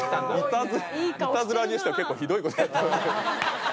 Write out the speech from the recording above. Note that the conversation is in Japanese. いたずらにしては結構ひどい事やって。